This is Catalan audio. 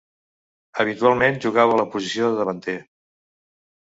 Habitualment jugava a la posició de davanter.